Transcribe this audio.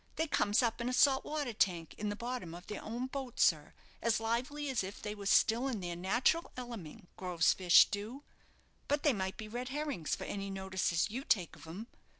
They comes up in a salt water tank in the bottom of their own boat, sir, as lively as if they was still in their natural eleming, Grove's fish do. But they might be red herrings for any notice as you take of 'em.